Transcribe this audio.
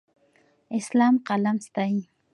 اسلام قلم ستایي.